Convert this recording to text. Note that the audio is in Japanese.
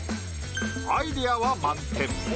アイデアは満点。